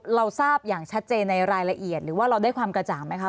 เราทราบอย่างชัดเจนในรายละเอียดหรือว่าเราได้ความกระจ่างไหมคะ